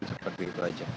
seperti itu saja